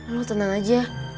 lo tenang aja